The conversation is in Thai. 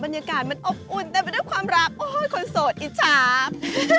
บรรยากาศมันอบอุ่นแต่มันก็ความรักอุ๊ยคนโสดอิจฉาบ